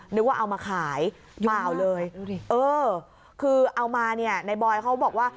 นึกว่าเอามาขายเปล่าเลยเออคือเอามาเนี่ยในบอยเขาบอกว่า